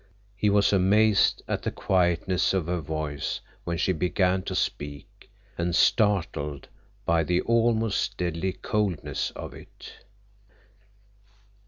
He was amazed at the quietness of her voice when she began to speak, and startled by the almost deadly coldness of it.